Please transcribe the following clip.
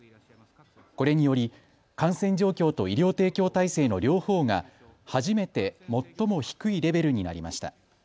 これにより感染状況と医療提供体制の両方が初めて最も低いレベルになりました。